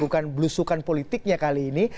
bukan belusukan politiknya kali ini